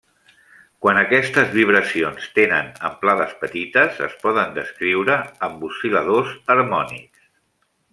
Quan aquestes vibracions tenen amplades petites es poden descriure amb oscil·ladors harmònics.